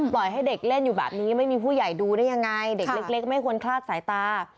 ให้เด็กเล่นอยู่แบบนี้ไม่มีผู้ใหญ่ดูได้ยังไงเด็กเล็กไม่ควรคลาดสายตา